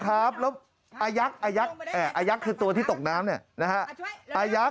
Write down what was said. อ่ะยักษ์คือตัวที่ตกน้ำดู